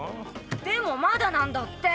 でもまだなんだって。